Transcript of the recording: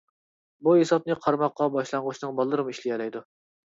بۇ ھېسابنى قارىماققا باشلانغۇچنىڭ باللىرىمۇ ئىشلىيەلەيدۇ.